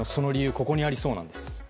ここにありそうなんです。